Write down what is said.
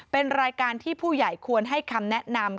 เป็นรายการที่ผู้ใหญ่ควรให้คำแนะนำ